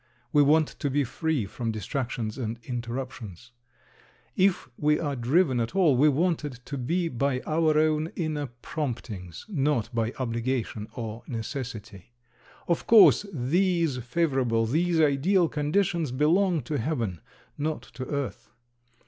We want to be free from distractions and interruptions; if we are driven at all, we want it to be by our own inner promptings, not by obligation or necessity. Of course these favorable, these ideal conditions belong to heaven, not to earth.